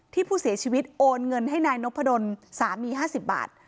ที่ผู้เสียชีวิตโอนเงินให้นายนพดลสามี๕๐บาท